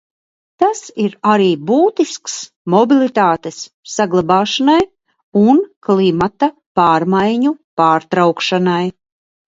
Tas ir arī būtisks mobilitātes saglabāšanai un klimata pārmaiņu pārtraukšanai.